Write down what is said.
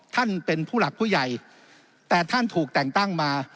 ท่านเป็นผู้หลักผู้ใหญ่แต่ท่านถูกแต่งตั้งมา